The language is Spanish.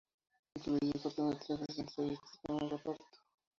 Incluía cortometrajes y entrevistas con el reparto.